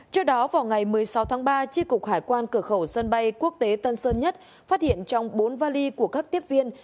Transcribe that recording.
trước đó vào ngày một mươi sáu tháng ba tri cục hải quan cửa khẩu sân bay quốc tế tân sơn nhất phát hiện trong bốn vali của các tiếp viên